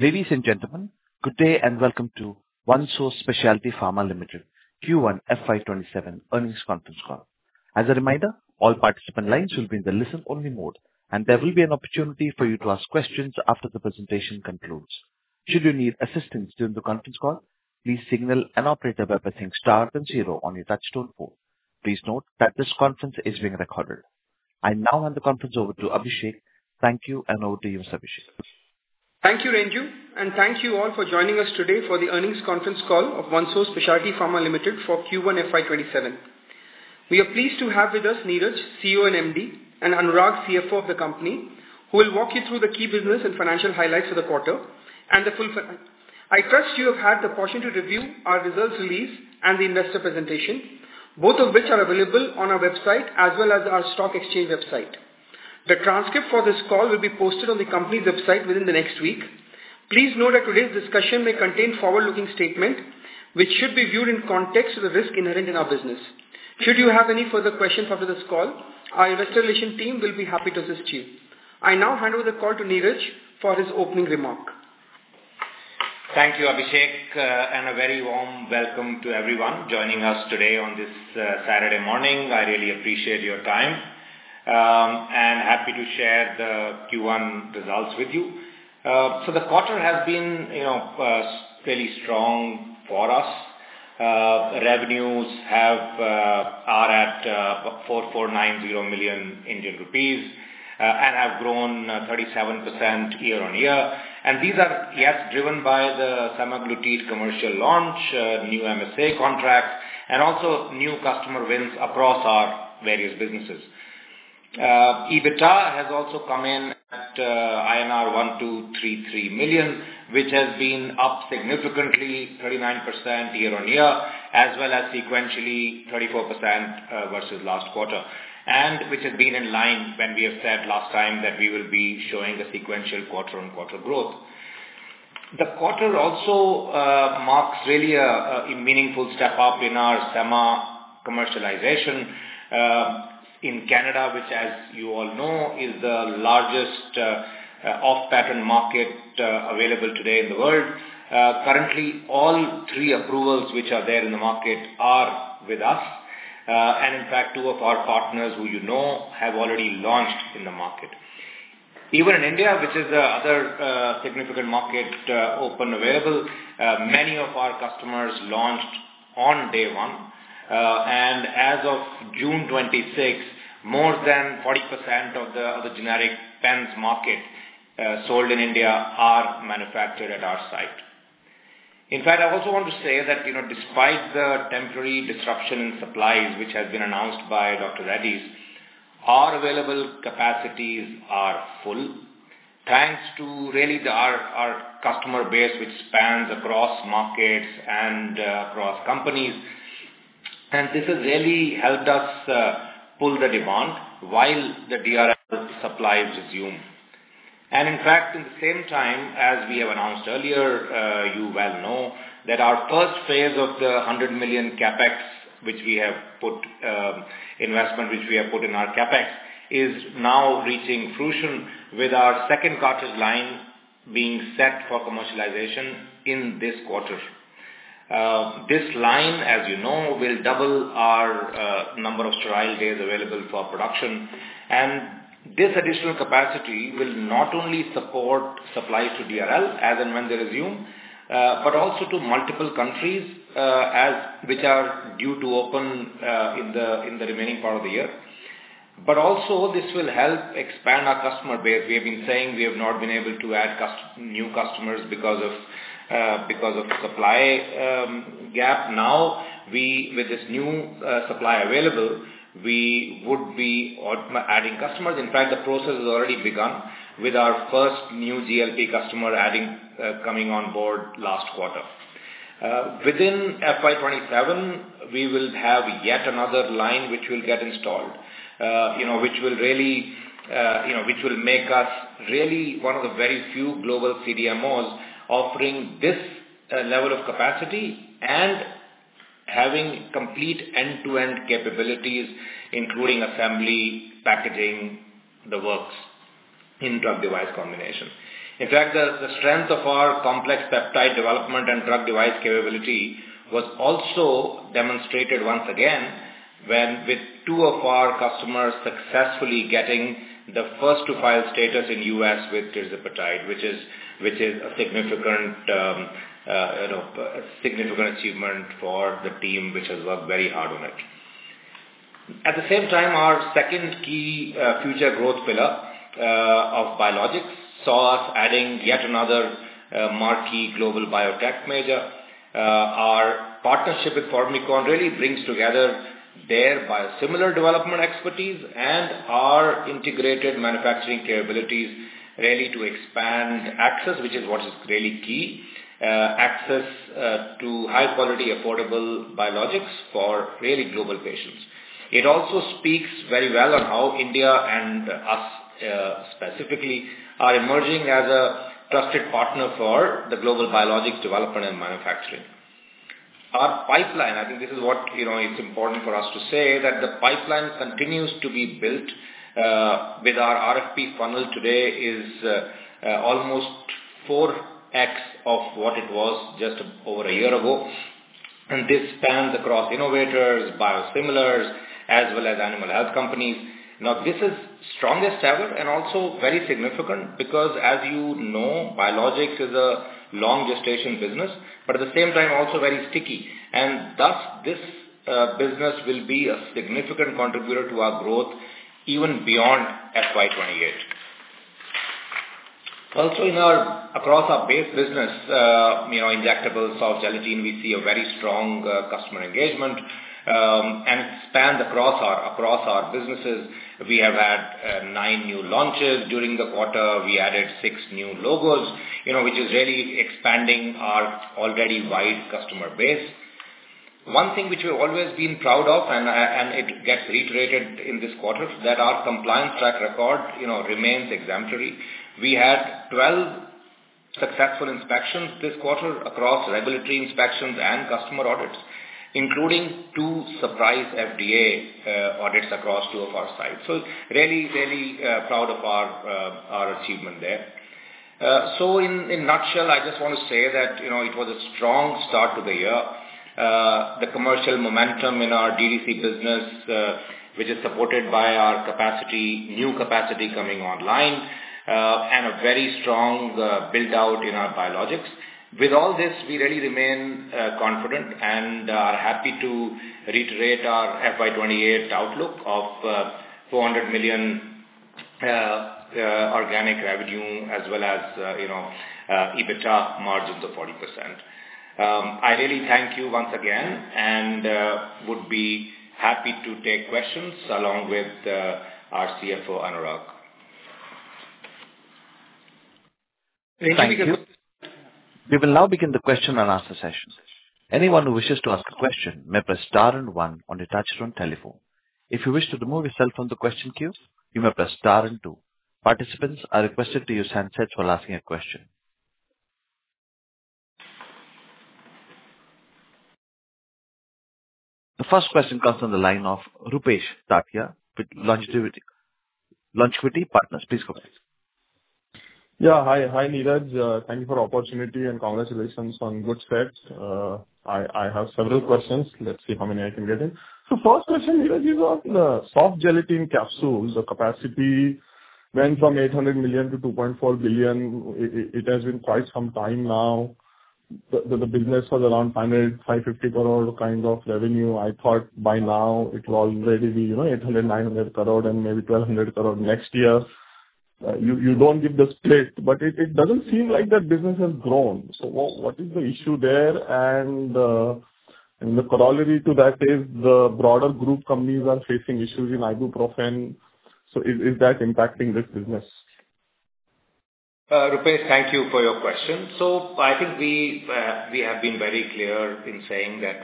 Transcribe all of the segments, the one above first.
Ladies and gentlemen, good day and welcome to OneSource Specialty Pharma Limited Q1 FY 2027 earnings conference call. As a reminder, all participant lines will be in the listen only mode and there will be an opportunity for you to ask questions after the presentation concludes. Should you need assistance during the conference call, please signal an operator by pressing star then zero on your touchtone phone. Please note that this conference is being recorded. I now hand the conference over to Abhishek. Thank you and over to you, sir Abhishek. Thank you, Renju, and thank you all for joining us today for the earnings conference call of OneSource Specialty Pharma Limited for Q1 FY 2027. We are pleased to have with us Neeraj, CEO and MD, and Anurag, CFO of the company, who will walk you through the key business and financial highlights for the quarter and the full set. I trust you have had the opportunity to review our results release and the investor presentation, both of which are available on our website as well as our stock exchange website. The transcript for this call will be posted on the company website within the next week. Please note that today's discussion may contain forward-looking statement which should be viewed in context of the risk inherent in our business. Should you have any further questions after this call, our investor relation team will be happy to assist you. I now hand over the call to Neeraj for his opening remark. Thank you, Abhishek, and a very warm welcome to everyone joining us today on this Saturday morning. I really appreciate your time, and happy to share the Q1 results with you. The quarter has been fairly strong for us. Revenues are at 4,490 million Indian rupees, and have grown 37% year-on-year. These are, yes, driven by the semaglutide commercial launch, new MSA contracts and also new customer wins across our various businesses. EBITDA has also come in at INR 1,233 million which has been up significantly, 39% year-on-year as well as sequentially 34% versus last quarter and which has been in line when we have said last time that we will be showing a sequential quarter-on-quarter growth. The quarter also marks really a meaningful step up in our sema commercialization in Canada, which as you all know is the largest off-patent market available today in the world. Currently, all three approvals which are there in the market are with us. In fact, two of our partners who you know have already launched in the market. Even in India, which is the other significant market open available, many of our customers launched on day one. As of June 26, more than 40% of the generic pens market sold in India are manufactured at our site. In fact, I also want to say that despite the temporary disruption in supplies, which has been announced by Dr. Reddy's, our available capacities are full thanks to really our customer base which spans across markets and across companies. This has really helped us pull the demand while the DRL supplies resume. In fact, in the same time, as we have announced earlier, you well know that our first phase of the 100 million CapEx investment which we have put in our CapEx, is now reaching fruition with our second cartridge line being set for commercialization in this quarter. This line, as you know, will double our number of sterile days available for production. This additional capacity will not only support supplies to DRL as and when they resume but also to multiple countries which are due to open in the remaining part of the year. Also this will help expand our customer base. We have been saying we have not been able to add new customers because of the supply gap. Now with this new supply available, we would be adding customers. In fact, the process has already begun with our first new GLP customer coming on board last quarter. Within FY 2027, we will have yet another line which will get installed which will make us really one of the very few global CDMOs offering this level of capacity and having complete end-to-end capabilities, including assembly, packaging, the works in drug device combination. In fact, the strength of our complex peptide development and drug device capability was also demonstrated once again when with two of our customers successfully getting the first to file status in U.S. with tirzepatide which is a significant achievement for the team which has worked very hard on it. At the same time, our second key future growth pillar of biologics saw us adding yet another marquee global biotech major. Our partnership with Formycon really brings together their biosimilar development expertise and our integrated manufacturing capabilities really to expand access, which is what is really key. Access to high-quality, affordable biologics for really global patients. It also speaks very well on how India and us specifically are emerging as a trusted partner for the global biologics development and manufacturing. Our pipeline, I think this is what is important for us to say, that the pipeline continues to be built with our RFP funnel today is almost 4x of what it was just over a year ago. This spans across innovators, biosimilars, as well as animal health companies. Now, this is strongest ever and also very significant because as you know, biologics is a long gestation business, but at the same time, also very sticky. Thus, this business will be a significant contributor to our growth even beyond FY 2028. Across our base business, injectable soft gelatin, we see a very strong customer engagement and it spanned across our businesses. We have had nine new launches during the quarter. We added six new logos, which is really expanding our already wide customer base. One thing which we have always been proud of, and it gets reiterated in this quarter, that our compliance track record remains exemplary. We had 12 successful inspections this quarter across regulatory inspections and customer audits, including two surprise FDA audits across two of our sites. Really proud of our achievement there. In nutshell, I just want to say that it was a strong start to the year. The commercial momentum in our GLP business, which is supported by our new capacity coming online, and a very strong build-out in our biologics. With all this, we really remain confident and are happy to reiterate our FY 2028 outlook of 400 million organic revenue as well as EBITDA margins of 40%. I really thank you once again and would be happy to take questions along with our CFO, Anurag. Thank you. Thank you. We will now begin the question and answer session. Anyone who wishes to ask a question may press star and one on your touchtone telephone. If you wish to remove yourself from the question queue, you may press star and two. Participants are requested to use handsets while asking a question. The first question comes on the line of Rupesh Tatiya with Long Equity Partners. Please go ahead. Yeah. Hi, Neeraj. Thank you for the opportunity and congratulations on good steps. I have several questions. Let's see how many I can get in. First question, Neeraj, is on the soft gelatin capsules. The capacity went from 800 million-2.4 billion. It has been quite some time now. The business was around 500 crore-550 crore kind of revenue. I thought by now it will already be 800 crore-900 crore and maybe 1,200 crore next year. You don't give the split, but it doesn't seem like that business has grown. What is the issue there? The corollary to that is the broader group companies are facing issues in ibuprofen. Is that impacting this business? Rupesh, thank you for your question. I think we have been very clear in saying that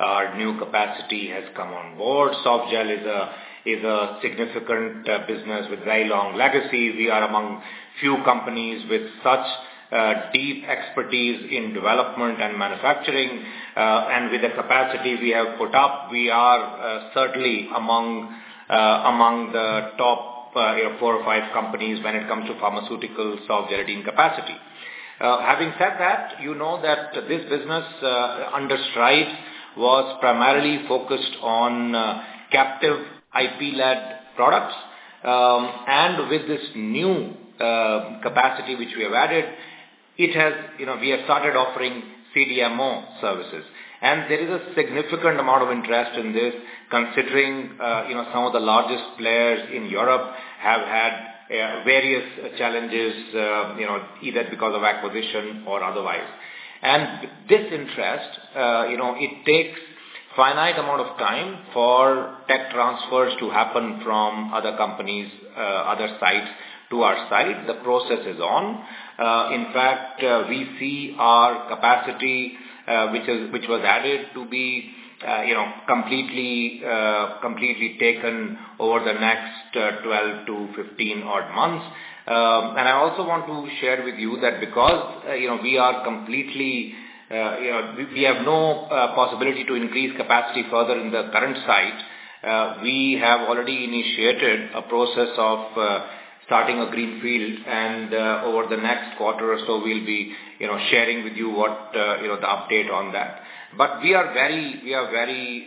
our new capacity has come on board. Soft gel is a significant business with very long legacy. We are among few companies with such deep expertise in development and manufacturing. With the capacity we have put up, we are certainly among the top four or five companies when it comes to pharmaceutical soft gelatin capacity. Having said that, you know that this business under Strides was primarily focused on captive IP-led products. With this new capacity which we have added, we have started offering CDMO services. There is a significant amount of interest in this considering some of the largest players in Europe have had various challenges, either because of acquisition or otherwise. This interest, it takes finite amount of time for tech transfers to happen from other companies, other sites to our site. The process is on. In fact, we see our capacity which was added to be completely taken over the next 12-15 odd months. I also want to share with you that because we have no possibility to increase capacity further in the current site, we have already initiated a process of starting a greenfield, and over the next quarter or so, we'll be sharing with you the update on that. We are very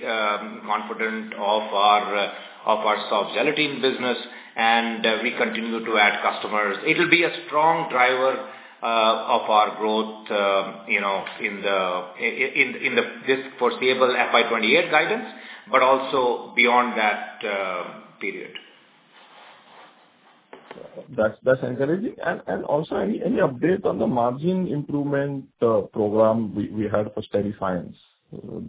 confident of our soft gelatin business, and we continue to add customers. It will be a strong driver of our growth in this foreseeable FY 2028 guidance, but also beyond that period. That's encouraging. Also, any update on the margin improvement program we had for Steriscience?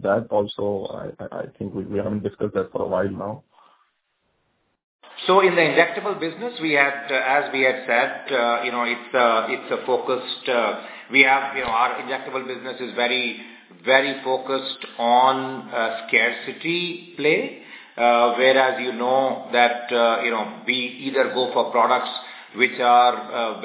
That also, I think we haven't discussed that for a while now. In the injectable business, as we had said, our injectable business is very focused on scarcity play, whereas you know that we either go for products which require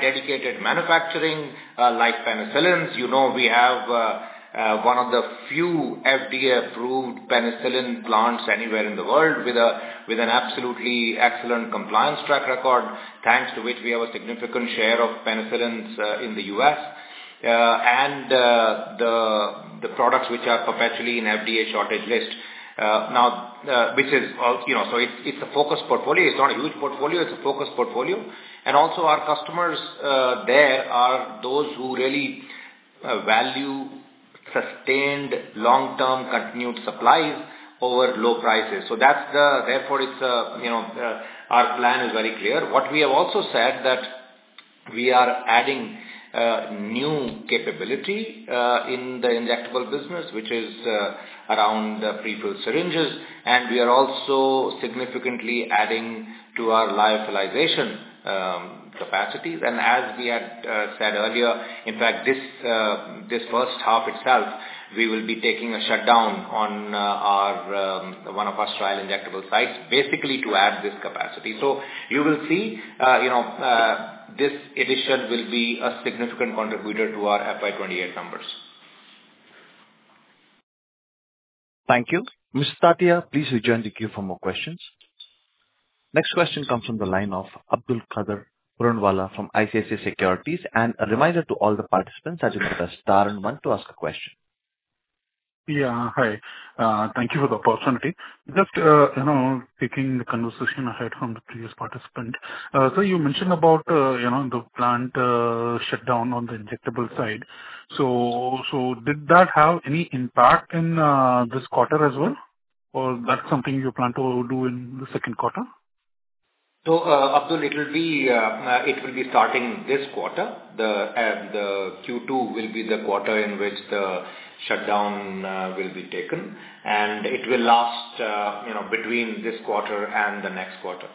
dedicated manufacturing, like penicillins. You know we have one of the few FDA-approved penicillin plants anywhere in the world with an absolutely excellent compliance track record, thanks to which we have a significant share of penicillins in the U.S. and the products which are perpetually in FDA shortage list. It's a focused portfolio. It's not a huge portfolio, it's a focused portfolio. Also our customers there are those who really value sustained long-term continued supplies over low prices. Therefore our plan is very clear. What we have also said that we are adding new capability in the injectable business, which is around prefilled syringes. We are also significantly adding to our lyophilization capacities. As we had said earlier, in fact, this first half itself, we will be taking a shutdown on one of our sterile injectable sites, basically to add this capacity. You will see this addition will be a significant contributor to our FY 2028 numbers. Thank you. Mr. Tatiya, please rejoin the queue for more questions. Next question comes from the line of Abdulkader Puranwala from ICICI Securities. A reminder to all the participants, as you press star one to ask a question. Hi. Thank you for the opportunity. Just taking the conversation ahead from the previous participant. Sir, you mentioned about the plant shutdown on the injectable side. Did that have any impact in this quarter as well, or that's something you plan to do in the second quarter? Abdul, it will be starting this quarter. The Q2 will be the quarter in which the shutdown will be taken, and it will last between this quarter and the next quarter.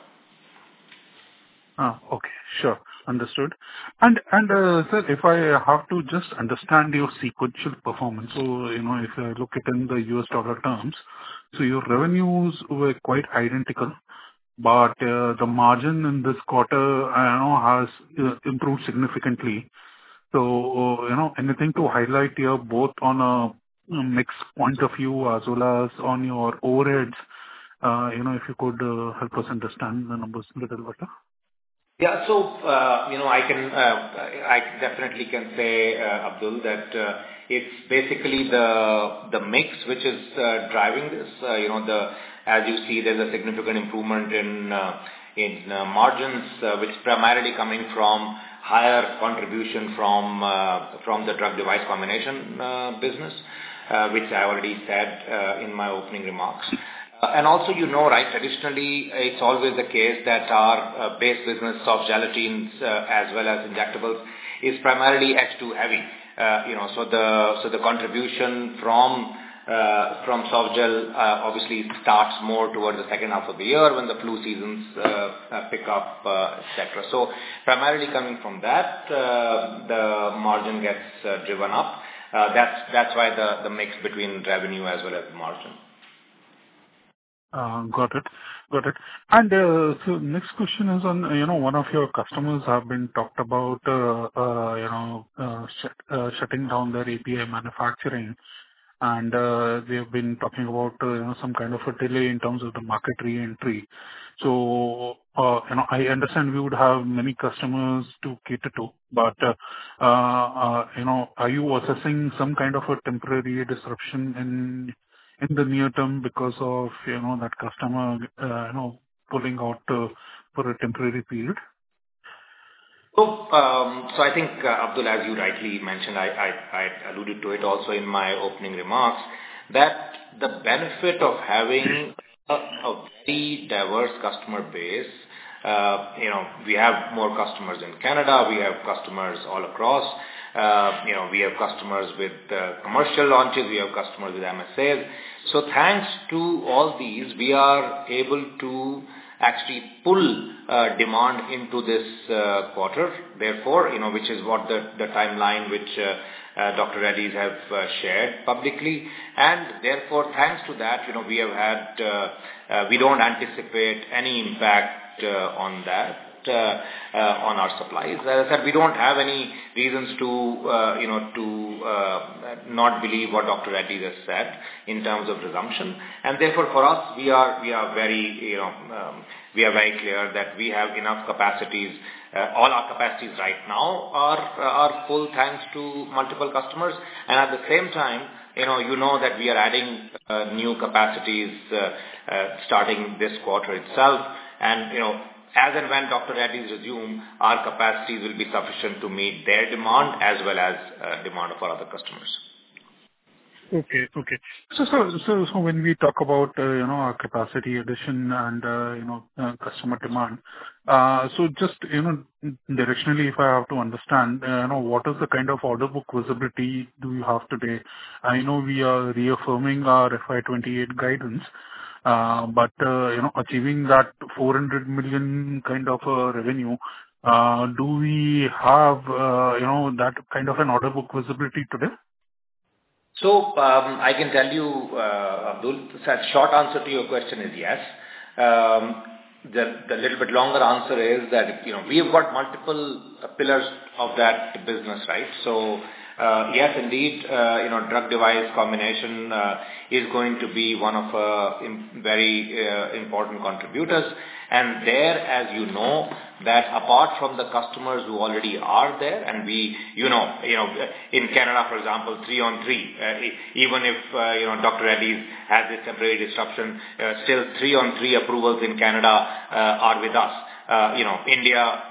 Okay. Sure. Understood. Sir, if I have to just understand your sequential performance. If I look it in the U.S. dollar terms, your revenues were quite identical, but the margin in this quarter has improved significantly. Anything to highlight here both on a mix point of view as well as on your overheads? If you could help us understand the numbers a little better. I definitely can say, Abdul, that it's basically the mix which is driving this. As you see, there's a significant improvement in margins, which is primarily coming from higher contribution from the drug device combination business, which I already said in my opening remarks. Also, you know, traditionally it's always the case that our base business, soft gelatin as well as injectables, is primarily H2 heavy. The contribution from softgel obviously starts more towards the second half of the year when the flu seasons pick up, et cetera. Primarily coming from that, the margin gets driven up. That's why the mix between revenue as well as margin. Got it. Next question is on one of your customers have been talked about shutting down their API manufacturing, and they've been talking about some kind of a delay in terms of the market reentry. I understand we would have many customers to cater to, but are you assessing some kind of a temporary disruption in the near term because of that customer pulling out for a temporary period? I think, Abdul, as you rightly mentioned, I alluded to it also in my opening remarks that the benefit of having a very diverse customer base. We have more customers in Canada, we have customers all across. We have customers with commercial launches, we have customers with MSAs. Thanks to all these, we are able to actually pull demand into this quarter. Therefore, which is what the timeline which Dr. Reddy's have shared publicly. Therefore, thanks to that, we don't anticipate any impact on that, on our supplies. As I said, we don't have any reasons to not believe what Dr. Reddy's has said in terms of resumption. Therefore, for us, we are very clear that we have enough capacities. All our capacities right now are full thanks to multiple customers. At the same time, you know that we are adding new capacities starting this quarter itself. As and when Dr. Reddy's resume, our capacities will be sufficient to meet their demand as well as demand of our other customers. Okay. When we talk about our capacity addition and customer demand. Just directionally, if I have to understand, what is the kind of order book visibility do you have today? I know we are reaffirming our FY 2028 guidance. Achieving that 400 million kind of revenue, do we have that kind of an order book visibility today? I can tell you, Abdul, the short answer to your question is yes. The little bit longer answer is that we've got multiple pillars of that business, right? Yes, indeed, drug device combination is going to be one of very important contributors. There, as you know, that apart from the customers who already are there, and in Canada, for example, three on three. Even if Dr. Reddy's has a temporary disruption, still three on three approvals in Canada are with us. India,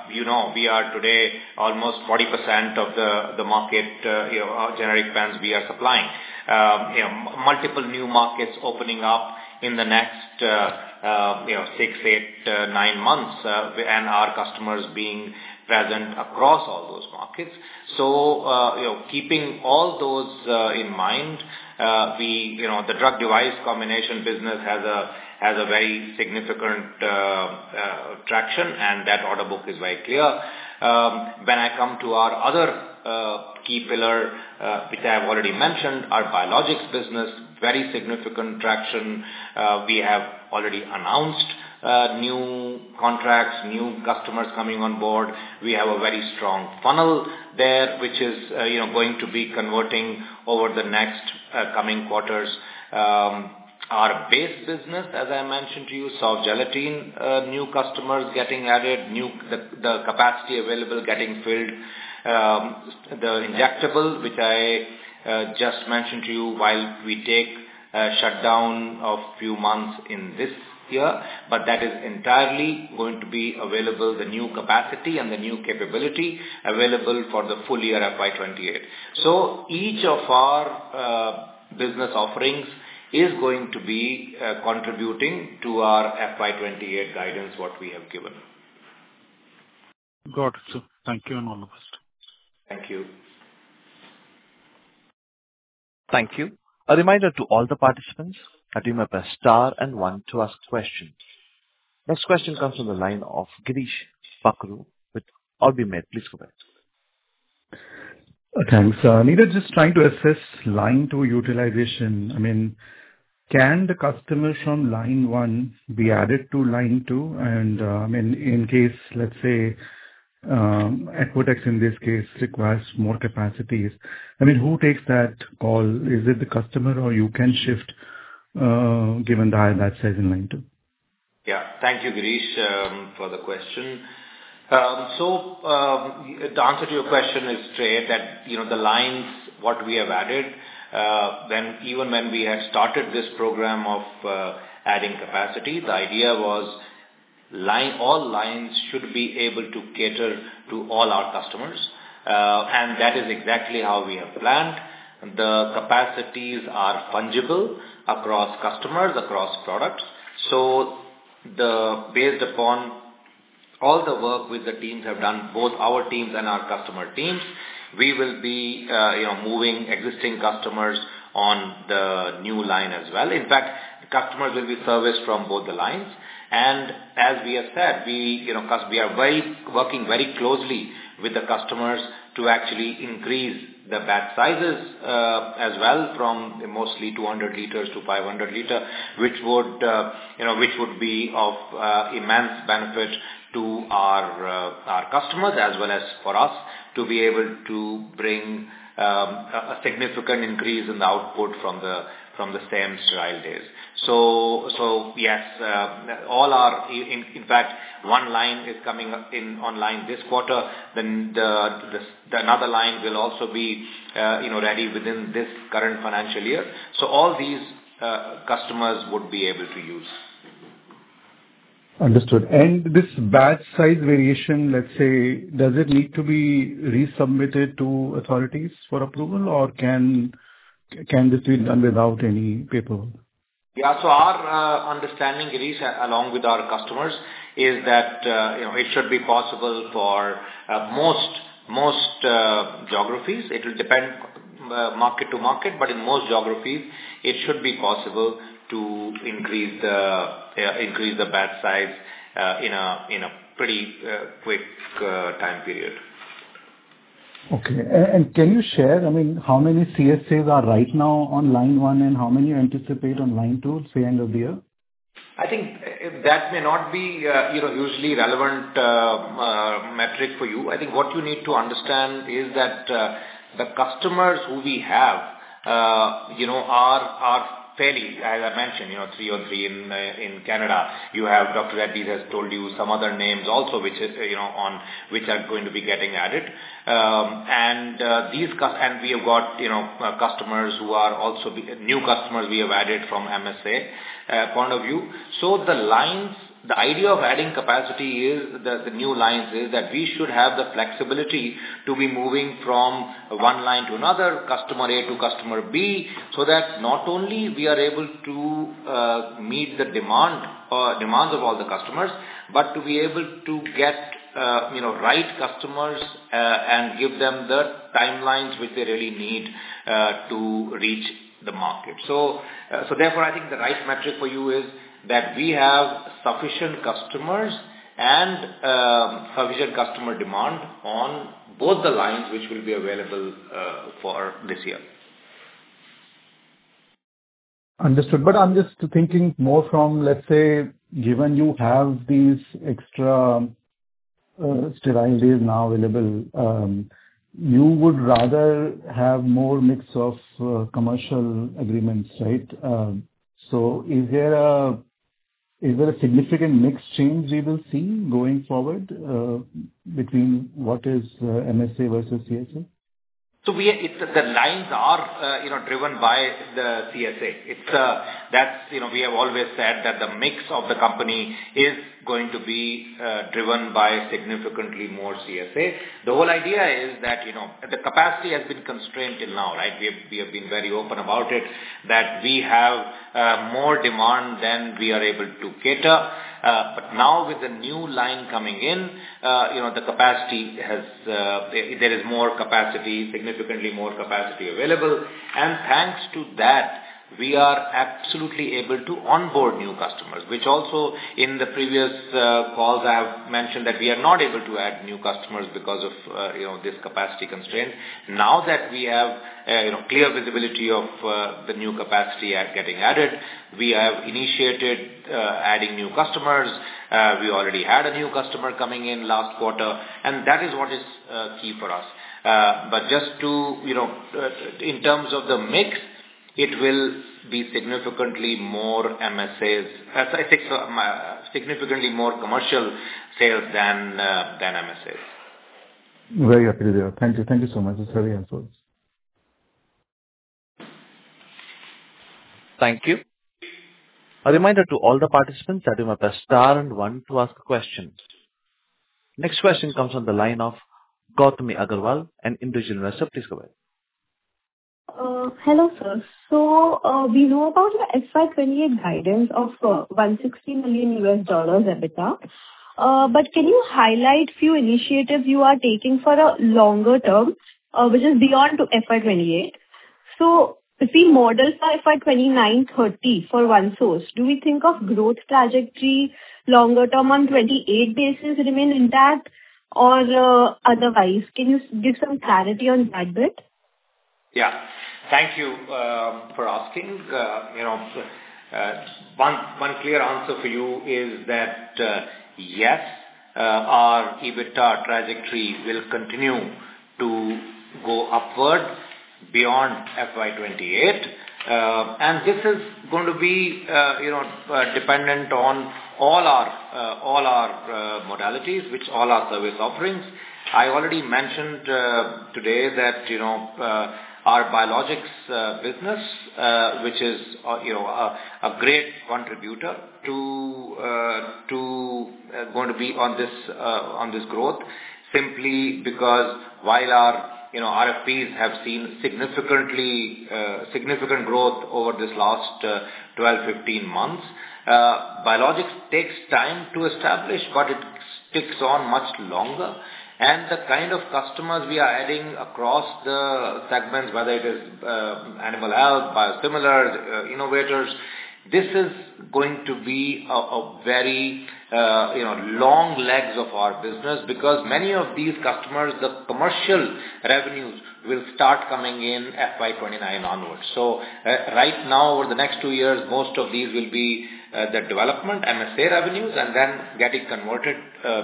we are today almost 40% of the market, our generic brands we are supplying. Multiple new markets opening up in the next six, eight, nine months, and our customers being present across all those markets. Keeping all those in mind, the drug device combination business has a very significant traction, and that order book is very clear. I come to our other key pillar, which I have already mentioned, our biologics business, very significant traction. We have already announced new contracts, new customers coming on board. We have a very strong funnel there, which is going to be converting over the next coming quarters. Our base business, as I mentioned to you, soft gelatin, new customers getting added, the capacity available getting filled. The injectables, which I just mentioned to you, while we take a shutdown of few months in this year, but that is entirely going to be available, the new capacity and the new capability available for the full year FY 2028. Each of our business offerings is going to be contributing to our FY 2028 guidance, what we have given. Got it, sir. Thank you and all the best. Thank you. Thank you. A reminder to all the participants that you may press star one to ask questions. Next question comes from the line of Girish Bakhru with [Avendus]. Please go ahead. Thanks. I'm just trying to assess line two utilization. Can the customers from line one be added to line two? In case, let's say, [Equatex] in this case requires more capacities, who takes that call? Is it the customer or you can shift given the high batch size in line two? Thank you, Girish, for the question. The answer to your question is straight that the lines, what we have added, even when we had started this program of adding capacity, the idea was all lines should be able to cater to all our customers. That is exactly how we have planned. The capacities are fungible across customers, across products. Based upon all the work with the teams have done, both our teams and our customer teams, we will be moving existing customers on the new line as well. In fact, customers will be serviced from both the lines. As we have said, we are working very closely with the customers to actually increase the batch sizes as well from mostly 200 L-500 L, which would be of immense benefit to our customers as well as for us to be able to bring a significant increase in the output from the same trial days. Yes, in fact, one line is coming online this quarter, another line will also be ready within this current financial year. All these customers would be able to use. Understood. This batch size variation, let's say, does it need to be resubmitted to authorities for approval, or can this be done without any paperwork? Our understanding, Girish, along with our customers, is that it should be possible for most geographies. It will depend market to market, but in most geographies, it should be possible to increase the batch size in a pretty quick time period. Can you share how many CSAs are right now on line 1 and how many you anticipate on line 2 say end of the year? I think that may not be usually relevant metric for you. I think what you need to understand is that the customers who we have are fairly, as I mentioned, three on three in Canada. You have Dr. Reddy's has told you some other names also, which are going to be getting added. We have got customers who are also new customers we have added from MSA point of view. The idea of adding capacity is that the new lines is that we should have the flexibility to be moving from one line to another, customer A to customer B, so that not only we are able to meet the demand of all the customers, but to be able to get right customers and give them the timelines which they really need to reach. Therefore, I think the right metric for you is that we have sufficient customers and sufficient customer demand on both the lines, which will be available for this year. Understood. I'm just thinking more from, let's say, given you have these extra sterile days now available, you would rather have more mix of commercial agreements, right? Is there a significant mix change we will see going forward, between what is MSA versus CSA? The lines are driven by the CSA. We have always said that the mix of the company is going to be driven by significantly more CSA. The whole idea is that, the capacity has been constrained till now, right? We have been very open about it, that we have more demand than we are able to cater. Now with the new line coming in, there is significantly more capacity available. Thanks to that, we are absolutely able to onboard new customers, which also in the previous calls, I have mentioned that we are not able to add new customers because of this capacity constraint. Now that we have clear visibility of the new capacity getting added, we have initiated adding new customers. We already had a new customer coming in last quarter, and that is what is key for us. Just in terms of the mix, it will be significantly more commercial sales than MSAs. Very happy to hear. Thank you so much. It's very helpful. Thank you. A reminder to all the participants that you must press star and one to ask questions. Next question comes from the line of [Gautami Agarwal] and Indegene Investors. Hello, sir. We know about the FY 2028 guidance of $160 million EBITDA. Can you highlight few initiatives you are taking for a longer term, which is beyond to FY 2028? Say model FY 2029, FY 2030 for OneSource, do we think of growth trajectory longer term on 2028 basis remain intact or otherwise? Can you give some clarity on that bit? Thank you for asking. One clear answer for you is that, yes, our EBITDA trajectory will continue to go upwards beyond FY 2028. This is going to be dependent on all our modalities, which all our service offerings. I already mentioned today that our biologics business, which is a great contributor, going to be on this growth, simply because while our RFPs have seen significant growth over this last 12, 15 months, biologics takes time to establish, but it sticks on much longer. The kind of customers we are adding across the segments, whether it is animal health, biosimilars, innovators, this is going to be a very long legs of our business because many of these customers, the commercial revenues will start coming in FY 2029 onwards. Right now, over the next two years, most of these will be the development MSA revenues and then getting converted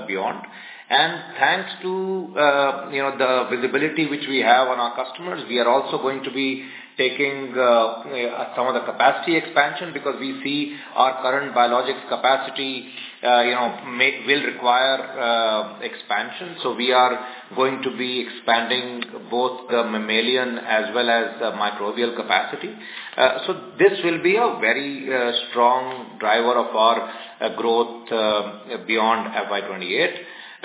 beyond. Thanks to the visibility which we have on our customers, we are also going to be taking some of the capacity expansion because we see our current biologics capacity will require expansion. We are going to be expanding both the mammalian as well as the microbial capacity. This will be a very strong driver of our growth beyond FY 2028.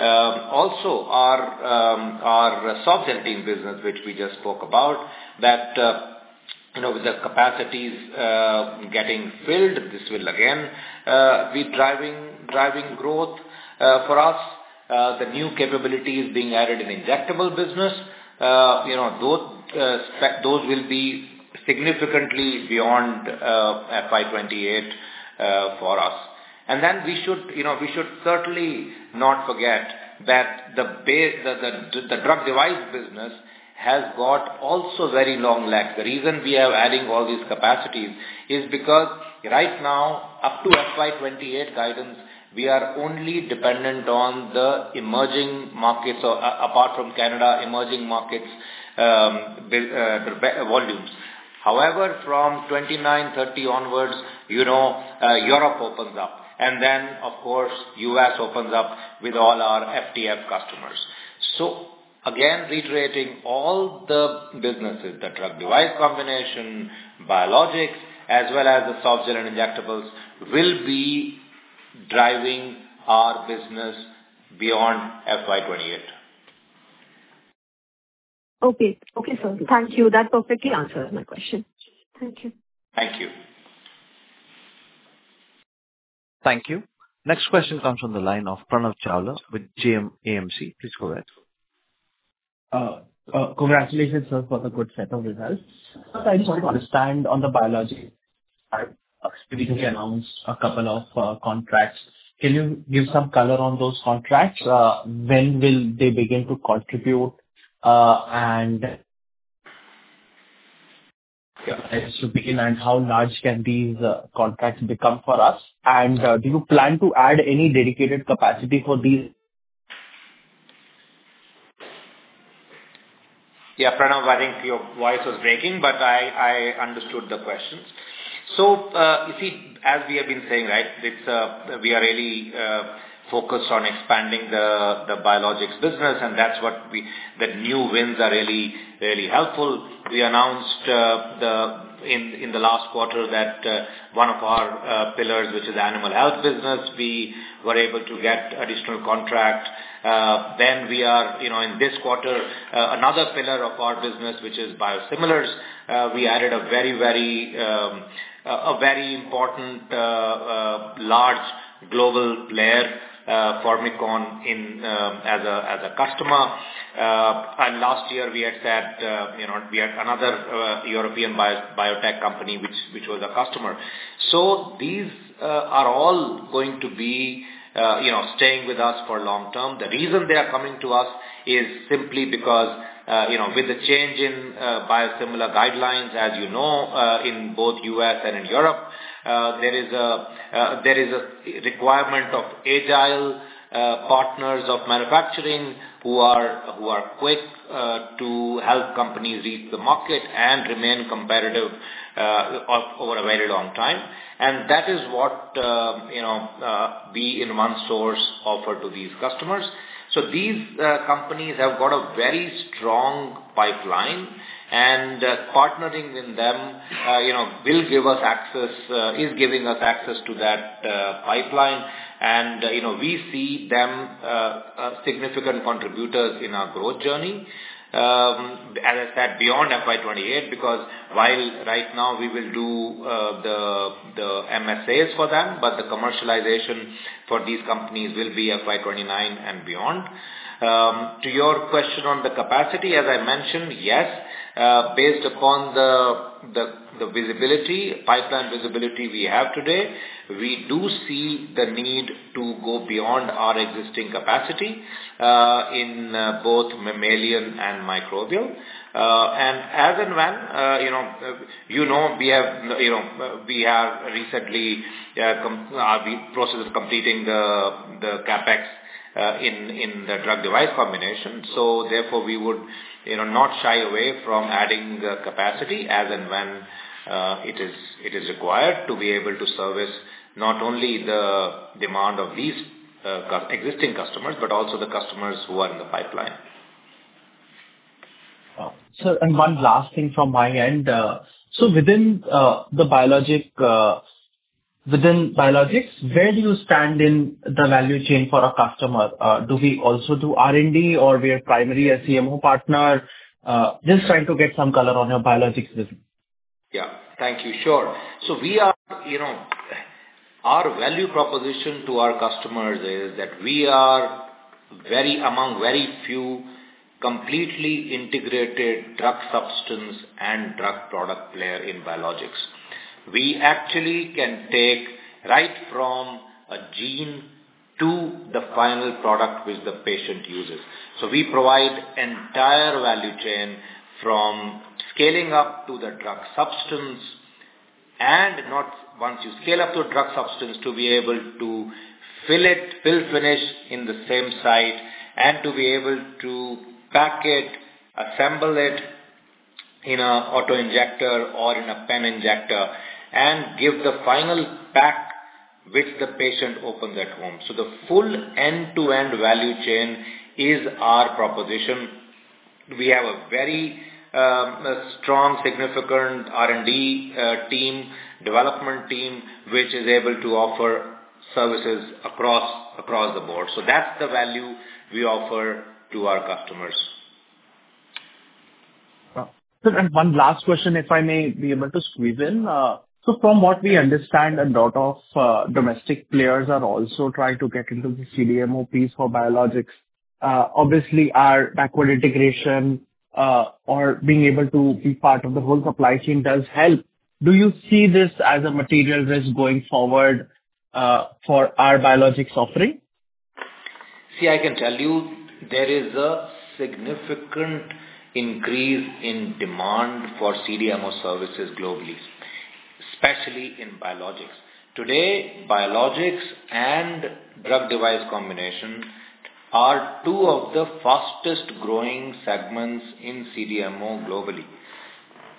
Our soft gelatin business, which we just spoke about, that with the capacities getting filled, this will again be driving growth for us. The new capabilities being added in injectable business, those will be significantly beyond FY 2028 for us. We should certainly not forget that the drug device business has got also very long legs. The reason we are adding all these capacities is because right now, up to FY 2028 guidance, we are only dependent on the emerging markets, apart from Canada, emerging markets volumes. From 2029, 2030 onwards, Europe opens up and then of course, U.S. opens up with all our FDF customers. Again, reiterating all the businesses, the drug device combination, biologics, as well as the soft gelatin and injectables will be driving our business beyond FY 2028. Sir. Thank you. That perfectly answers my question. Thank you. Thank you. Thank you. Next question comes from the line of Pranav Chawla with JMAC. Please go ahead. Congratulations, sir, for the good set of results. I just want to understand on the biology. You recently announced a couple of contracts. Can you give some color on those contracts? When will they begin to contribute? How large can these contracts become for us? Do you plan to add any dedicated capacity for these? Pranav, I think your voice was breaking, but I understood the questions. You see, as we have been saying, right, we are really focused on expanding the biologics business, and that's what the new wins are really helpful. We announced in the last quarter that one of our pillars, which is animal health business, we were able to get additional contract. We are in this quarter, another pillar of our business, which is biosimilars, we added a very important large global player, Formycon, as a customer. Last year, we had another European biotech company, which was a customer. These are all going to be staying with us for long term. The reason they are coming to us is simply because with the change in biosimilar guidelines, as you know, in both U.S. and in Europe, there is a requirement of agile partners of manufacturing who are quick to help companies read the market and remain competitive over a very long time. That is what we in OneSource offer to these customers. These companies have got a very strong pipeline, and partnering with them is giving us access to that pipeline. We see them significant contributors in our growth journey. As I said, beyond FY 2028, because while right now we will do the MSAs for them, but the commercialization for these companies will be FY 2029 and beyond. To your question on the capacity, as I mentioned, yes, based upon the pipeline visibility we have today, we do see the need to go beyond our existing capacity in both mammalian and microbial. As and when you know we have recently completed the CapEx in the drug device combination. Therefore we would not shy away from adding capacity as and when it is required to be able to service not only the demand of these existing customers but also the customers who are in the pipeline. Sir, one last thing from my end. Within biologics, where do you stand in the value chain for a customer? Do we also do R&D or we are primary a CDMO partner? Just trying to get some color on your biologics business. Yeah. Thank you. Sure. Our value proposition to our customers is that we are among very few completely integrated drug substance and drug product player in biologics. We actually can take right from a gene to the final product which the patient uses. We provide entire value chain from scaling up to the drug substance and once you scale up to a drug substance to be able to fill finish in the same site and to be able to pack it, assemble it in an auto-injector or in a pen injector and give the final pack which the patient opens at home. The full end-to-end value chain is our proposition. We have a very strong, significant R&D team, development team, which is able to offer services across the board. That's the value we offer to our customers. Sir, one last question, if I may be able to squeeze in. From what we understand, a lot of domestic players are also trying to get into the CDMO piece for biologics. Obviously our backward integration or being able to be part of the whole supply chain does help. Do you see this as a material risk going forward for our biologics offering? See, I can tell you there is a significant increase in demand for CDMO services globally, especially in biologics. Today, biologics and drug device combination are two of the fastest-growing segments in CDMO globally.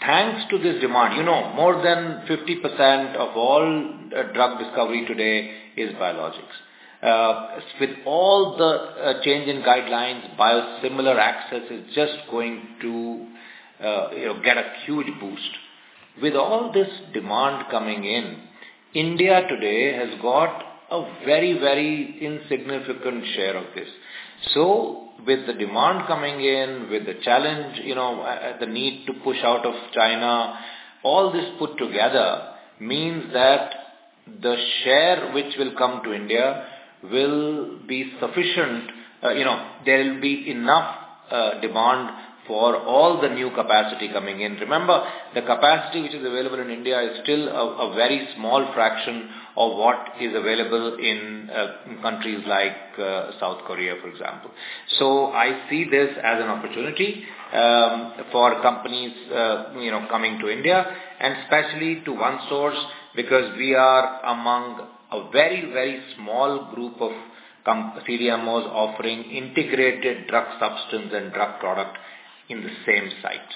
Thanks to this demand, more than 50% of all drug discovery today is biologics. With all the change in guidelines, biosimilar access is just going to get a huge boost. With all this demand coming in, India today has got a very insignificant share of this. With the demand coming in, with the challenge, the need to push out of China, all this put together means that the share which will come to India will be sufficient. There'll be enough demand for all the new capacity coming in. Remember, the capacity which is available in India is still a very small fraction of what is available in countries like South Korea, for example. I see this as an opportunity for companies coming to India and especially to OneSource because we are among a very small group of CDMOs offering integrated drug substance and drug product in the same site.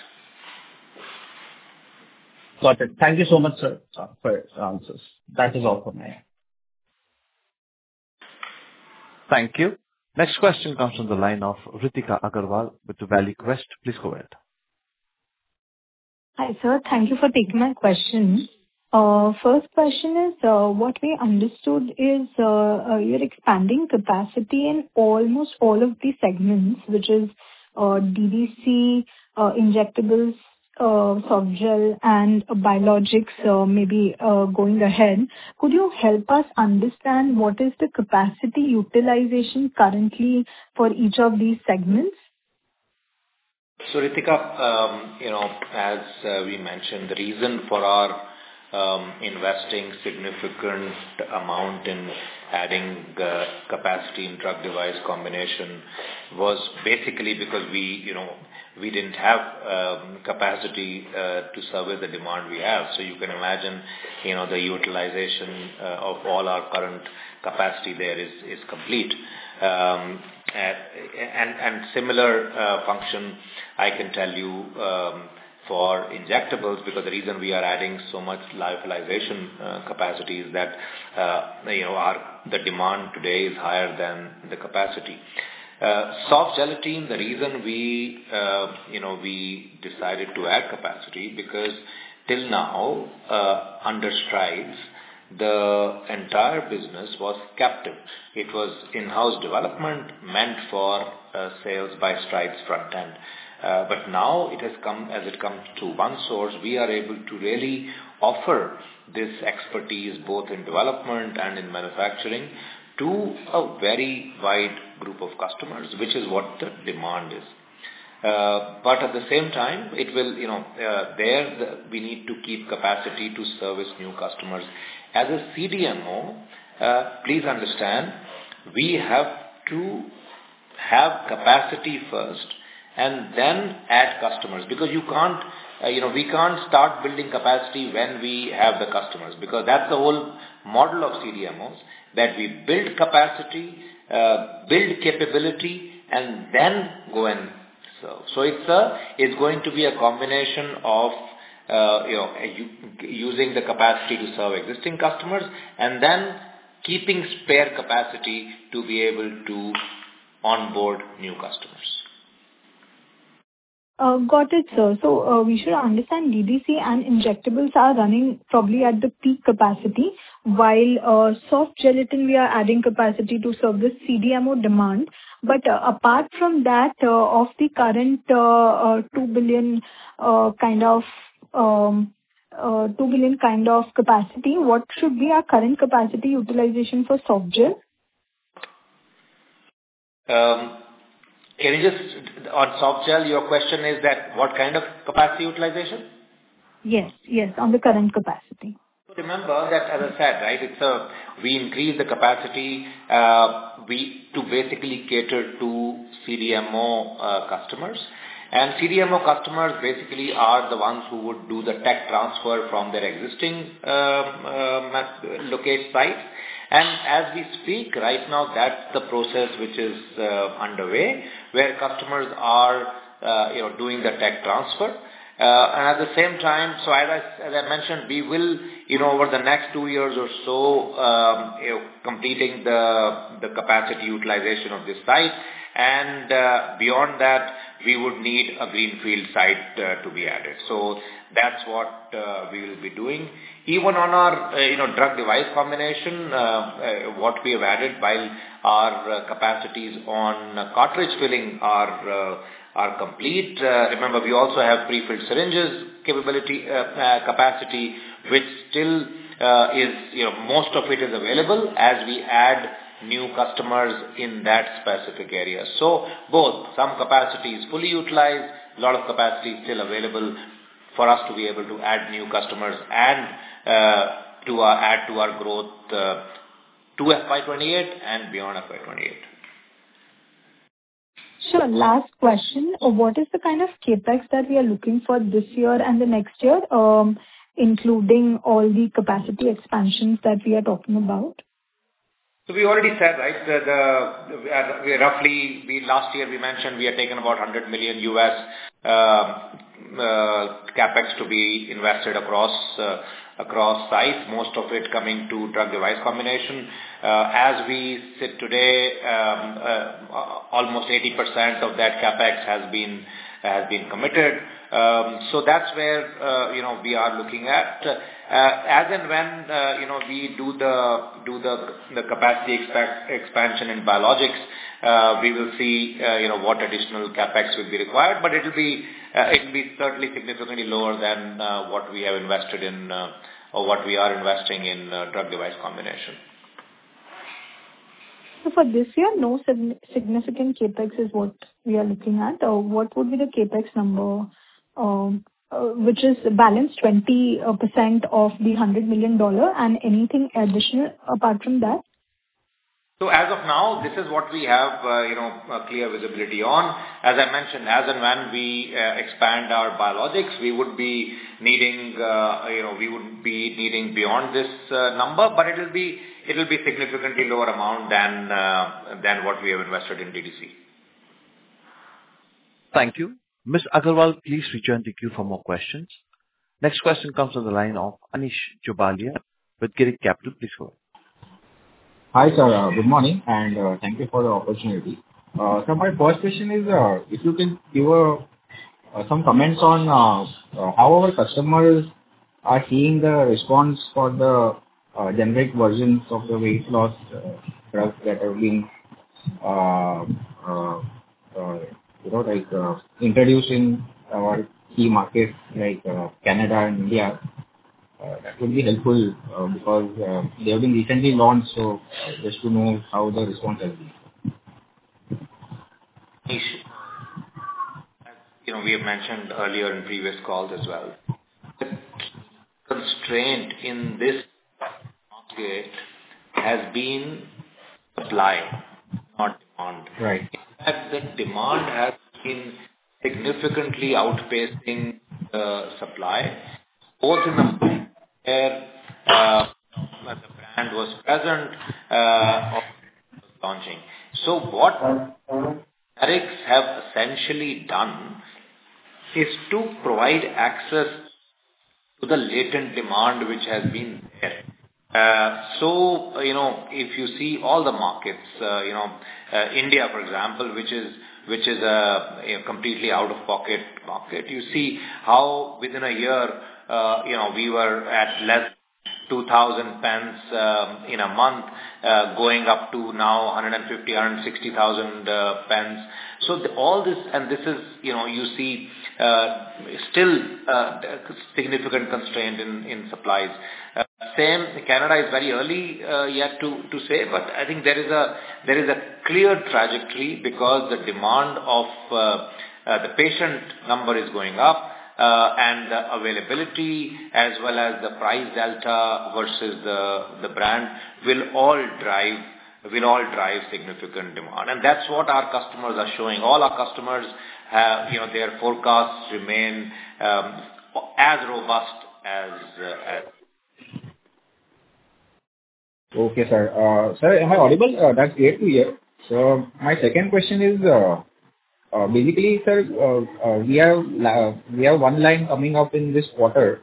Got it. Thank you so much, sir, for your answers. That is all from my end. Thank you. Next question comes from the line of Ritika Agarwal with ValueQuest. Please go ahead. Hi, sir. Thank you for taking my question. First question is, what we understood is, you are expanding capacity in almost all of the segments, which is DDC, injectables, softgel, and biologics maybe going ahead. Could you help us understand what is the capacity utilization currently for each of these segments? Ritika, as we mentioned, the reason for our investing significant amount in adding capacity in drug device combination was basically because we didn't have capacity to service the demand we have. You can imagine, the utilization of all our current capacity there is complete. Similar function, I can tell you, for injectables, because the reason we are adding so much lyophilization capacity is that the demand today is higher than the capacity. Soft gelatin, the reason we decided to add capacity because till now, under Strides, the entire business was captive. It was in-house development meant for sales by Strides front end. Now as it comes to OneSource, we are able to really offer this expertise, both in development and in manufacturing, to a very wide group of customers, which is what the demand is. At the same time, there, we need to keep capacity to service new customers. As a CDMO, please understand, we have to have capacity first and then add customers because we can't start building capacity when we have the customers, because that's the whole model of CDMOs, that we build capacity, build capability, and then go and serve. It's going to be a combination of using the capacity to serve existing customers and then keeping spare capacity to be able to onboard new customers. Got it, sir. We should understand DDC and injectables are running probably at the peak capacity while soft gelatin, we are adding capacity to serve this CDMO demand. Apart from that, of the current 2 billion kind of capacity, what should be our current capacity utilization for softgels? On softgels, your question is that what kind of capacity utilization? Yes. On the current capacity. Remember that as I said, right, we increase the capacity to basically cater to CDMO customers. CDMO customers basically are the ones who would do the tech transfer from their existing locate site. As we speak right now, that's the process which is underway, where customers are doing their tech transfer. At the same time, as I mentioned, we will over the next two years or so, completing the capacity utilization of this site. Beyond that, we would need a greenfield site to be added. That's what we will be doing. Even on our drug device combination, what we have added while our capacities on cartridge filling are complete. Remember, we also have prefilled syringes capacity, which still most of it is available as we add new customers in that specific area. Both. Some capacity is fully utilized, a lot of capacity is still available for us to be able to add new customers and to add to our growth to FY 2028 and beyond FY 2028. Sure. Last question. What is the kind of CapEx that we are looking for this year and the next year, including all the capacity expansions that we are talking about? We already said, right? That roughly last year we mentioned we are taking about $100 million US CapEx to be invested across sites, most of it coming to drug device combination. As we sit today, almost 80% of that CapEx has been committed. That's where we are looking at. As and when we do the capacity expansion in biologics, we will see what additional CapEx will be required. It will be certainly significantly lower than what we have invested in, or what we are investing in drug device combination. For this year, no significant CapEx is what we are looking at, or what would be the CapEx number, which is balance 20% of the $100 million and anything additional apart from that? As of now, this is what we have clear visibility on. As I mentioned, as and when we expand our biologics, we would be needing beyond this number, but it'll be significantly lower amount than what we have invested in DDC. Thank you. Ms. Agarwal, please return to queue for more questions. Next question comes from the line of Anish Jobalia with Girik Capital. Please go ahead. Hi, sir. Good morning, and thank you for the opportunity. My first question is, if you can give some comments on how our customers are seeing the response for the generic versions of the weight loss drugs that are being introduced in our key markets like Canada and India. That would be helpful because they have been recently launched, just to know how the response has been. Anish, as you know, we have mentioned earlier in previous calls as well, the constraint in this market has been supply, not demand. Right. In fact, the demand has been significantly outpacing the supply, both in the where the brand was present launching. What have essentially done is to provide access to the latent demand which has been there. If you see all the markets, India, for example, which is completely out of pocket market, you see how within a year we were at less 2,000 pens in a month, going up to now 150,000, 160,000 pens. This is, you see still a significant constraint in supplies. Same, Canada is very early yet to say, but I think there is a clear trajectory because the demand of the patient number is going up, and the availability as well as the price delta versus the brand will all drive significant demand. That's what our customers are showing. All our customers have their forecasts remain as robust as. Okay, sir. Sir, am I audible? That's clear to hear. My second question is, basically, sir, we have one line coming up in this quarter.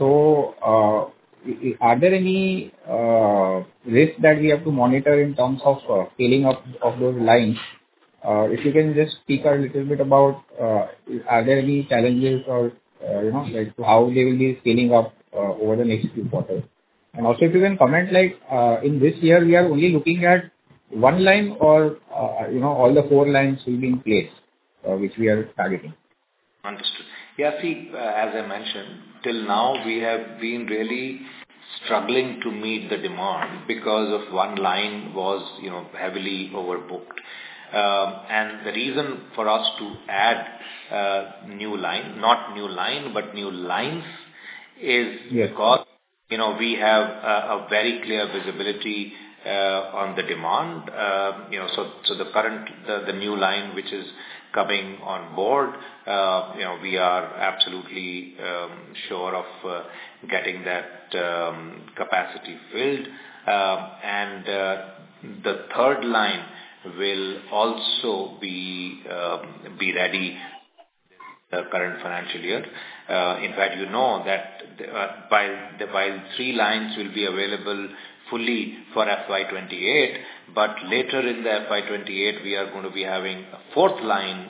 Are there any risks that we have to monitor in terms of scaling up of those lines? If you can just speak a little bit about are there any challenges or how they will be scaling up over the next few quarters. Also, if you can comment, like, in this year, we are only looking at one line or all the four lines will be in place, which we are targeting. Understood. Yeah, see, as I mentioned, till now, we have been really struggling to meet the demand because of one line was heavily overbooked. The reason for us to add a new line, not new line, but new lines is- Yeah because we have a very clear visibility on the demand. The new line which is coming on board, we are absolutely sure of getting that capacity filled. The third line will also be ready the current financial year. In fact, you know that while three lines will be available fully for FY 2028, but later in the FY 2028, we are going to be having a fourth line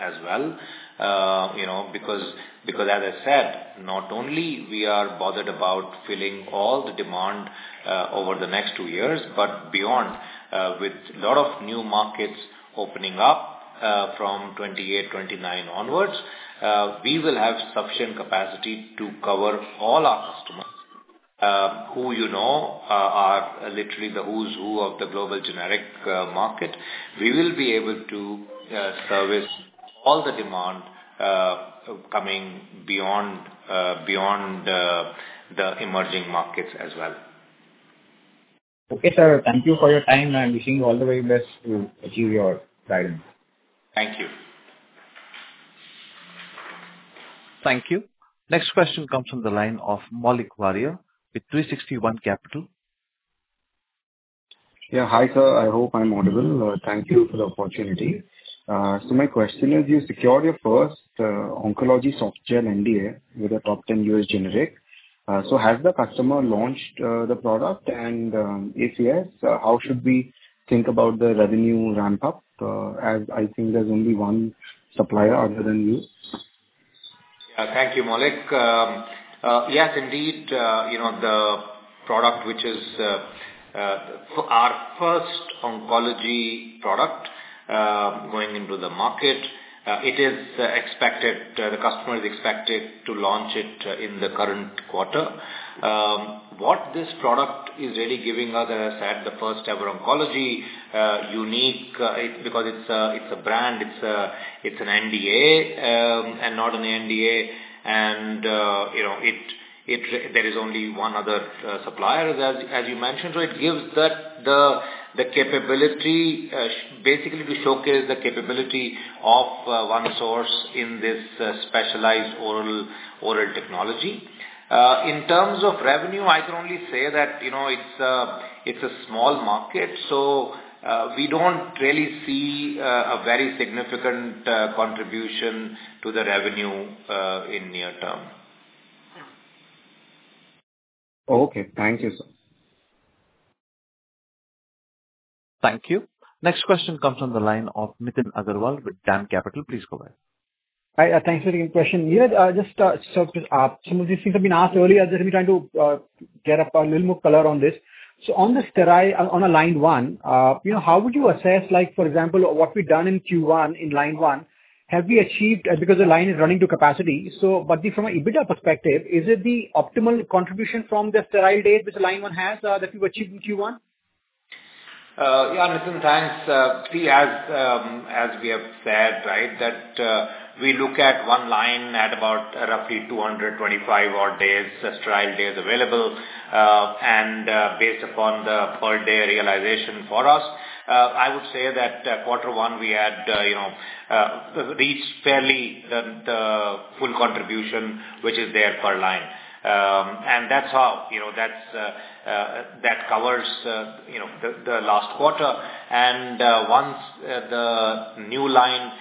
as well because as I said, not only we are bothered about filling all the demand over the next two years, but beyond, with lot of new markets opening up from 2028, 2029 onwards, we will have sufficient capacity to cover all our customers who are literally the who's who of the global generic market. We will be able to service all the demand coming beyond the emerging markets as well. Okay, sir. Thank you for your time, wishing you all the very best to achieve your guidance. Thank you. Thank you. Next question comes from the line of Maulik Varia with 360 ONE Capital. Yeah. Hi sir, I hope I'm audible. Thank you for the opportunity. My question is, you secured your first oncology soft gel NDA with a top 10 U.S. generic. Has the customer launched the product? If yes, how should we think about the revenue ramp-up? As I think there's only one supplier other than you. Thank you, Maulik. Yes, indeed, the product, which is our first oncology product going into the market, the customer is expected to launch it in the current quarter. What this product is really giving us, as the first-ever oncology, unique, because it's a brand, it's an NDA and not an ANDA, and there is only one other supplier, as you mentioned. It gives the capability, basically to showcase the capability of OneSource in this specialized oral technology. In terms of revenue, I can only say that it's a small market, so we don't really see a very significant contribution to the revenue in near term. Okay. Thank you, sir. Thank you. Next question comes from the line of Nitin Agarwal with DAM Capital. Please go ahead. Hi. Thanks for taking the question. Yeah, just some of these things have been asked earlier. Just trying to get a little more color on this. On the sterile, on line one, how would you assess, for example, what we've done in Q1 in line one? Because the line is running to capacity. From an EBITDA perspective, is it the optimal contribution from the sterile days, which line one has, that you've achieved in Q1? Yeah, Nitin. Thanks. As we have said, right, that we look at one line at about roughly 225 odd days, sterile days available. Based upon the per day realization for us, I would say that Q1, we had reached fairly the full contribution, which is there per line. And that's how. That covers the last quarter. Once the new line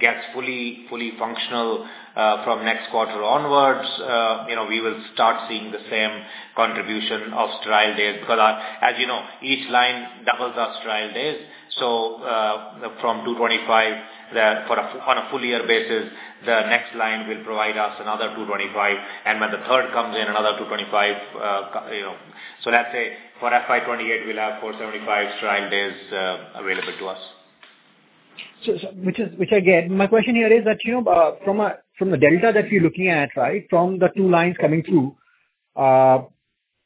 gets fully functional from next quarter onwards, we will start seeing the same contribution of sterile days, because as you know, each line doubles our sterile days. From 225, on a full year basis, the next line will provide us another 225. When the third comes in, another 225. Let's say for FY 2028, we'll have 475 sterile days available to us. Which I get. My question here is that from the delta that we're looking at, right, from the two lines coming through,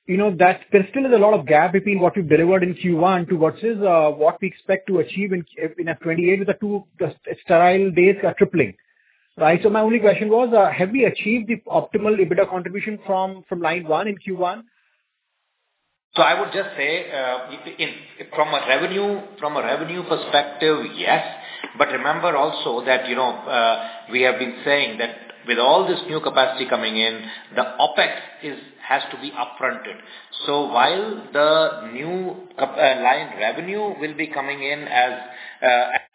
there still is a lot of gap between what you've delivered in Q1 to what we expect to achieve in FY 2028 with the two sterile days tripling. Right? My only question was, have we achieved the optimal EBITDA contribution from line one in Q1? I would just say from a revenue perspective, yes. Remember also that we have been saying that with all this new capacity coming in, the OpEx has to be up-fronted. While the new line revenue will be coming in as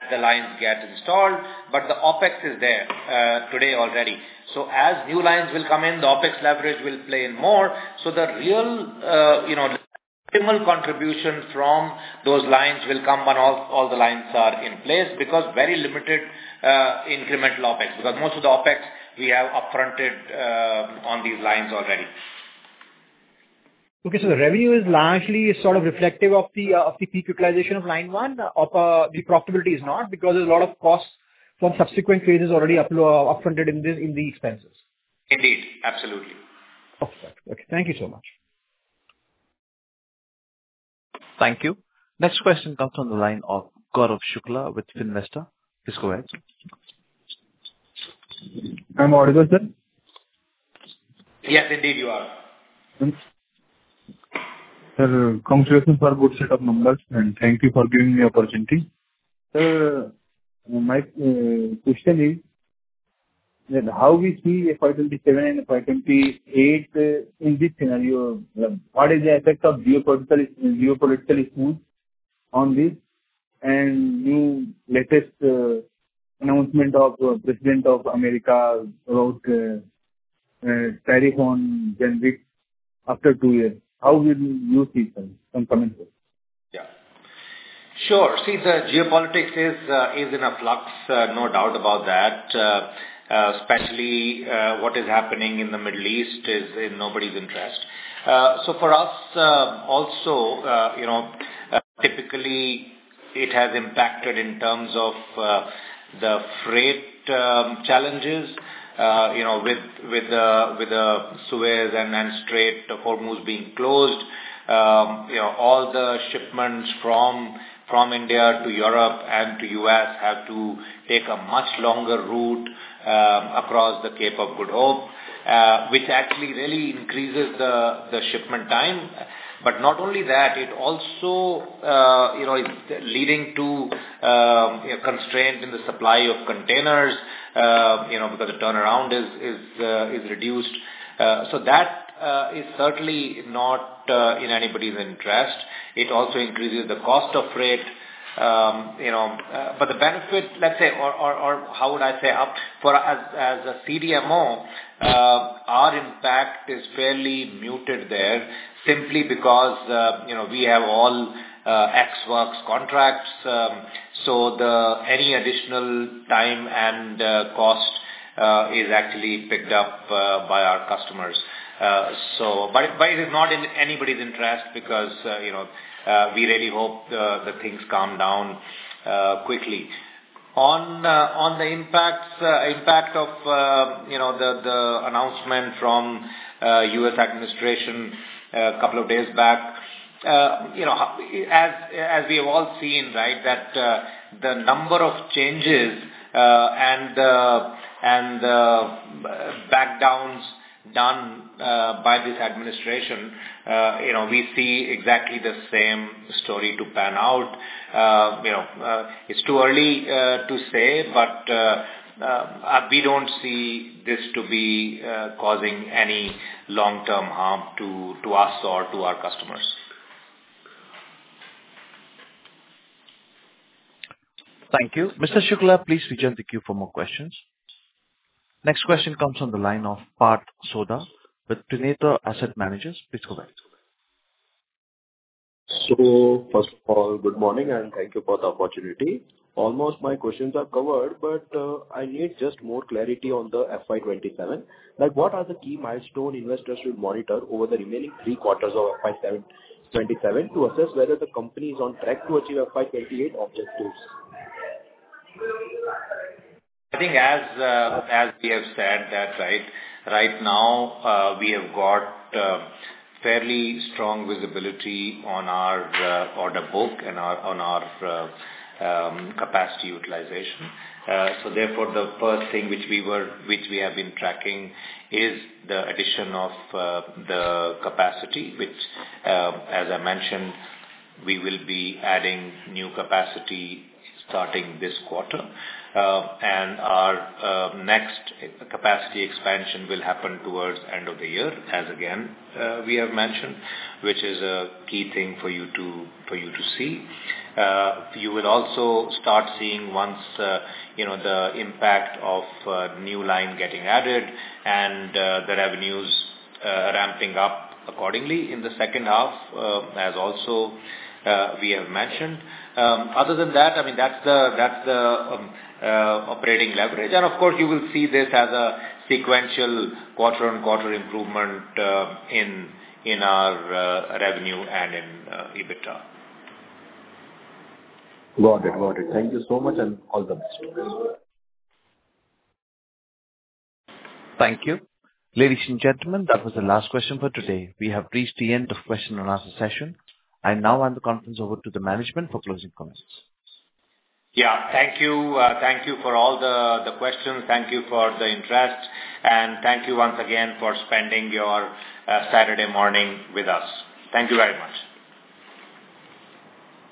the lines get installed, the OpEx is there today already. As new lines will come in, the OpEx leverage will play in more. The real incremental contribution from those lines will come when all the lines are in place because very limited incremental OpEx, because most of the OpEx we have up-fronted on these lines already. Okay. The revenue is largely sort of reflective of the peak utilization of line one. The profitability is not because there's a lot of costs from subsequent phases already up-fronted in the expenses. Indeed, absolutely. Okay. Thank you so much. Thank you. Next question comes from the line of [Gaurav Shukla] with [FinvestR]. Please go ahead. Am I audible, sir? Yes, indeed, you are. Sir, congratulations for good set of numbers, and thank you for giving me opportunity. Sir, my question is that how we see FY 2027 and FY 2028 in this scenario? What is the effect of geopolitical issues on this and new latest announcement of President of America about tariff on generics after two years? How will you see some coming here? Yeah. Sure. See, the geopolitics is in a flux, no doubt about that. Especially, what is happening in the Middle East is in nobody's interest. For us also, typically, it has impacted in terms of the freight challenges with the Suez and Strait of Hormuz being closed. All the shipments from India to Europe and to U.S. have to take a much longer route across the Cape of Good Hope, which actually really increases the shipment time. Not only that, it also is leading to constraint in the supply of containers because the turnaround is reduced. That is certainly not in anybody's interest. It also increases the cost of freight. The benefit, let's say, or how would I say? As a CDMO, our impact is fairly muted there simply because we have all Ex Works contracts. Any additional time and cost is actually picked up by our customers. It is not in anybody's interest because we really hope the things calm down quickly. On the impact of the announcement from U.S. administration a couple of days back, as we have all seen, right, that the number of changes and the back downs done by this administration, we see exactly the same story to pan out. It is too early to say, but we don't see this to be causing any long-term harm to us or to our customers. Thank you. Mr. Shukla, please return to the queue for more questions. Next question comes on the line of Parth Sodha with Trinetra Asset Managers. Please go ahead. First of all, good morning and thank you for the opportunity. Almost my questions are covered, but I need just more clarity on the FY 2027. What are the key milestones investors should monitor over the remaining three quarters of FY 2027 to assess whether the company is on track to achieve FY 2028 objectives? I think as we have said that right now we have got fairly strong visibility on our order book and on our capacity utilization. Therefore the first thing which we have been tracking is the addition of the capacity, which as I mentioned, we will be adding new capacity starting this quarter. Our next capacity expansion will happen towards end of the year as again we have mentioned, which is a key thing for you to see. You will also start seeing once the impact of new line getting added and the revenues ramping up accordingly in the second half as also we have mentioned. Other than that's the operating leverage. Of course, you will see this as a sequential quarter-on-quarter improvement in our revenue and in EBITDA. Got it. Thank you so much and all the best. Thank you. Ladies and gentlemen, that was the last question for today. We have reached the end of question and answer session. I now hand the conference over to the management for closing comments. Thank you for all the questions. Thank you for the interest, thank you once again for spending your Saturday morning with us. Thank you very much.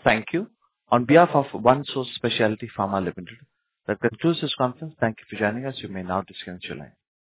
Thank you. On behalf of OneSource Specialty Pharma Limited, that concludes this conference. Thank you for joining us. You may now disconnect your line.